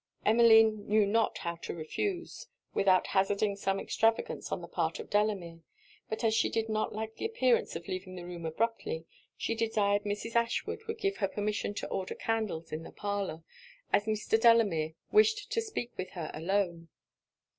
Emmeline knew not how to refuse, without hazarding some extravagance on the part of Delamere. But as she did not like the appearance of leaving the room abruptly, she desired Mrs. Ashwood would give her permission to order candles in the parlour, as Mr. Delamere wished to speak with her alone.